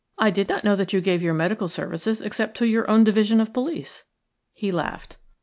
"I did not know that you gave your medical services except to your own division of police." He laughed.